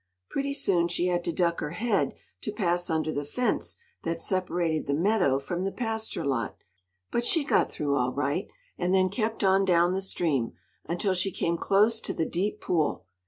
Pretty soon she had to duck her head to pass under the fence that separated the meadow from the pasture lot; but she got through all right, and then kept on down the stream, until she came close to the deep pool.